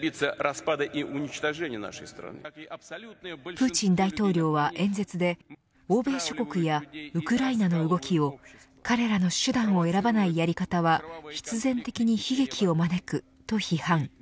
プーチン大統領は演説で欧米諸国やウクライナの動きを彼らの手段を選ばないやり方は必然的に悲劇を招くと批判。